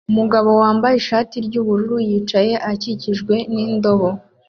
Umugabo wambaye ikoti ry'ubururu yicaye akikijwe n'indobo